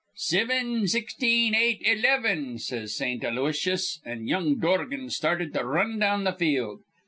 'Sivin, sixteen, eight, eleven,' says Saint Aloysius; an' young Dorgan started to run down th' field.